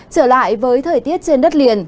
trở lại với thời tiết trên đất liền